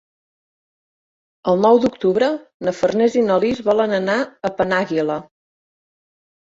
El nou d'octubre na Farners i na Lis volen anar a Penàguila.